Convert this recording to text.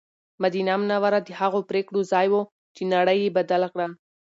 مدینه منوره د هغو پرېکړو ځای و چې نړۍ یې بدله کړه.